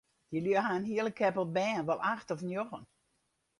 Dy lju ha in hiele keppel bern, wol acht of njoggen.